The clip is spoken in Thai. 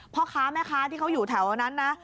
พ่อค้าแม่ค้าที่เขาอยู่แถวนั้นนะ